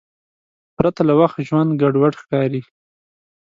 پرته له وخت ژوند ګډوډ ښکاري.